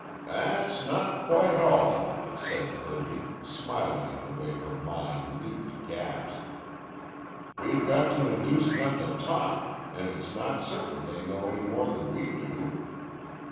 "That's not quite all," said Kirby, smiling at the way her mind leaped gaps. "We've got to induce them to talk, an' it's not certain they know any more than we do."